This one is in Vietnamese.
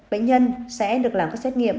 bệnh nhân sẽ được làm các xét nghiệm